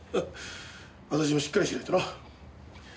私もしっかりしないとな。